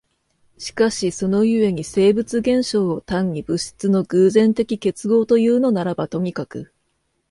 しかしその故に生物現象を単に物質の偶然的結合というのならばとにかく、